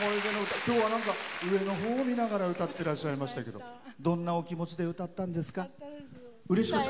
今日は、上のほう見ながら歌ってらっしゃいましたけどどんなお気持ちで歌われたんですか？